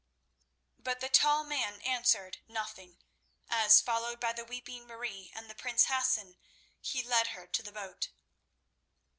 But the tall man answered nothing, as followed by the weeping Marie and the prince Hassan, he led her to the boat.